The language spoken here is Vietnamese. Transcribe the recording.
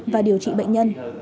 và điều trị bệnh nhân